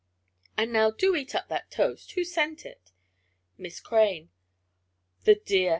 "And now do eat up that toast. Who sent it?" "Miss Crane." "The dear!